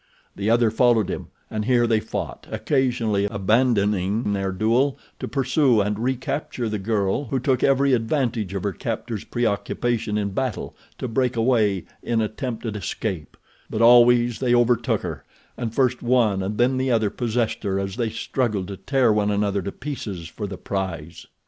The other followed him, and here they fought, occasionally abandoning their duel to pursue and recapture the girl who took every advantage of her captors' preoccupation in battle to break away in attempted escape; but always they overtook her, and first one and then the other possessed her as they struggled to tear one another to pieces for the prize.